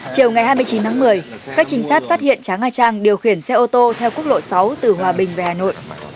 chiều ngày hai mươi chín tháng một mươi các trinh sát phát hiện trá nga trang điều khiển xe ô tô theo quốc lộ sáu từ hòa bình về hà nội